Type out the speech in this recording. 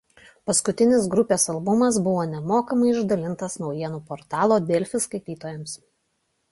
Paskutinis grupės albumas buvo nemokamai išdalintas naujienų portalo „Delfi“ skaitytojams.